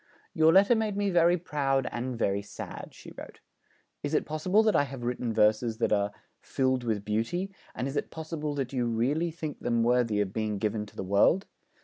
'Your letter made me very proud and very sad,' she wrote. 'Is it possible that I have written verses that are "filled with beauty," and is it possible that you really think them worthy of being given to the world?